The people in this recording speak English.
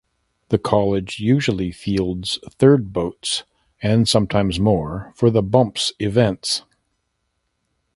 The college usually fields third boats (and sometimes more) for the bumps events.